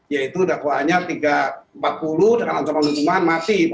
yaitu dakwaannya tiga ratus empat puluh dengan ancaman hukuman mati